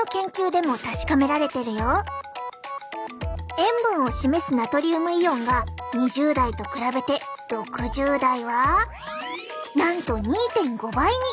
塩分を示すナトリウムイオンが２０代と比べて６０代はなんと２．５倍に！